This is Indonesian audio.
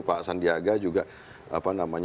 pak sandiaga juga apa namanya